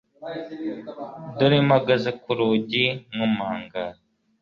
dore mpagaze ku rugi nkomanga